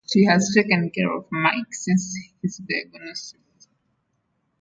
She has taken care of Mike since his diagnosis.